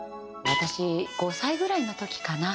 私５歳ぐらいの時かな。